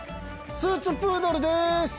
スーツプードルです。